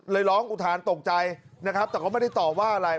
ร้องอุทานตกใจนะครับแต่ก็ไม่ได้ตอบว่าอะไร